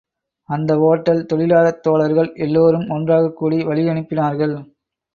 அந்த ஒட்டல் தொழிலாளத் தோழர்கள் எல்லோரும் ஒன்றாகக் கூடி வழியனுப்பினார்கள்.